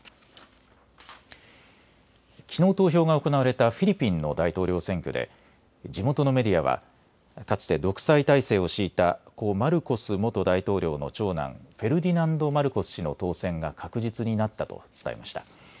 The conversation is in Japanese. きのう投票が行われたフィリピンの大統領選挙で地元のメディアはかつて独裁体制を敷いた故マルコス元大統領の長男フェルディナンド・マルコス氏の当選が確実になったと伝えました。